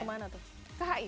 ke mana tuh